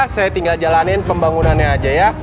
saya tinggal jalanin pembangunannya aja ya